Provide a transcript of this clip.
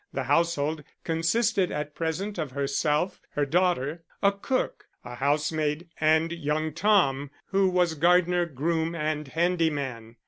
The household consisted at present of herself, her daughter, a cook, a housemaid and young Tom, who was gardener, groom and handy man.